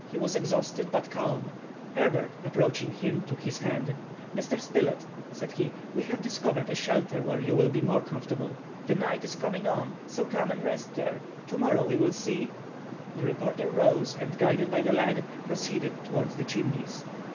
He was exhausted, but calm. Herbert, approaching him, took his hand. "Mr. Spilett," said he, "we have discovered a shelter where you will be more comfortable. The night is coming on; so come and rest there. To morrow we will see—" The reporter rose, and, guided by the lad, proceeded towards the Chimneys.